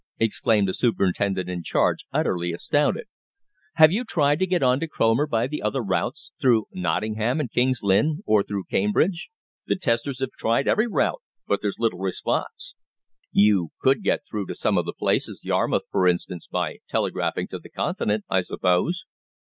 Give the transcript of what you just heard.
exclaimed the superintendent in charge, utterly astounded. "Have you tried to get on to Cromer by the other routes through Nottingham and King's Lynn, or through Cambridge?" "The testers have tried every route, but there's no response." "You could get through to some of the places Yarmouth, for instance by telegraphing to the Continent, I suppose?"